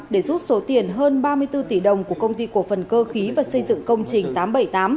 để rút số tiền hơn ba mươi bốn tỷ đồng của công ty cổ phần cơ khí và xây dựng công trình tám trăm bảy mươi tám